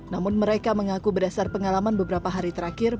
namun mereka mengaku berdasar pengalaman beberapa hari terakhir